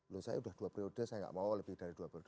loh saya udah dua periode saya nggak mau lebih dari dua periode